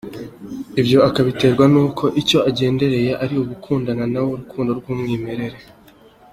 Ibyo akabiterwa n’uko icyo agendereye ari ugukundana nawe urukundo rw’umwimerere.